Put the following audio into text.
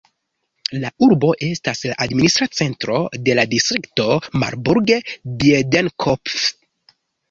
La urbo estas la administra centro de la distrikto Marburg-Biedenkopf.